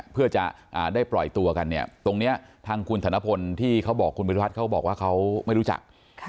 เพื่อจะได้ปล่อยตัวกันเนี่ยตรงนี้ทางคุณธนพลที่เขาบอกคุณบริวัตรเขาบอกว่าเขาไม่รู้จัก